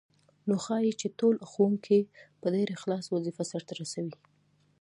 نو ښايي چې ټول ښوونکي په ډېر اخلاص وظیفه سرته ورسوي.